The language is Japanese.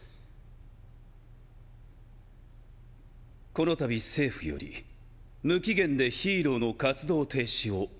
このたび政府より「無期限でヒーローの活動停止」を言い渡されました。